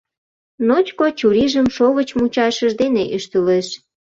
Ночко чурийжым шовыч мучашыж дене ӱштылеш.